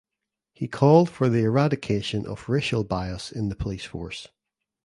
He called for the eradication of racial bias in the police force.